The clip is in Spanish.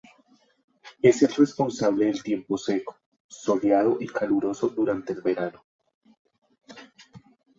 Es el responsable del tiempo seco, soleado y caluroso durante el verano.